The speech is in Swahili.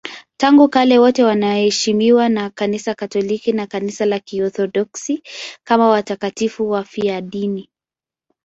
Tangu kale wote wanaheshimiwa na Kanisa Katoliki na Kanisa la Kiorthodoksi kama watakatifu wafiadini.